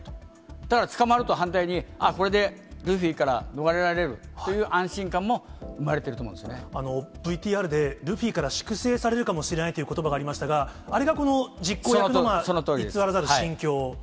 ただ、捕まると反対に、ああ、これでルフィから逃れられるという安心感も生まれてると思うんでＶＴＲで、ルフィから粛清されるかもしれないということばがありましたが、あれがこの実行役の偽らざる心境。